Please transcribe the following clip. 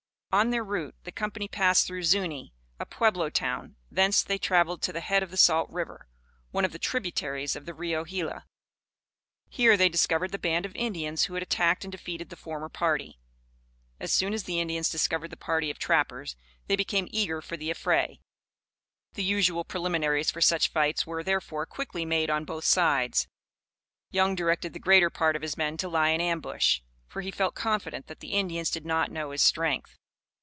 On their route, the company passed through Zuni, a Peublo town; thence they traveled to the head of Salt River, one of the tributaries of the Rio Gila. Here they discovered the band of Indians who had attacked and defeated the former party. As soon as the Indians discovered the party of trappers, they became eager for the affray. The usual preliminaries for such fights were, therefore, quickly made on both sides. Young directed the greater part of his men to lie in ambush, for he felt confident that the Indians did not know his strength.